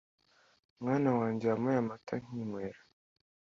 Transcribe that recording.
mwana wanjye wampaye amata nkinywera